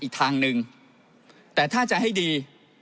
อีกทางหนึ่งแต่ถ้าจะให้ดี